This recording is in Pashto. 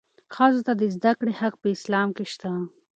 ښځو ته د زدهکړې حق په اسلام کې شته.